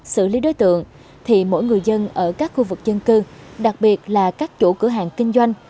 xử lý đối tượng thì mỗi người dân ở các khu vực dân cư đặc biệt là các chủ cửa hàng kinh doanh